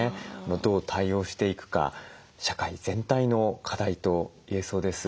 どう対応していくか社会全体の課題と言えそうです。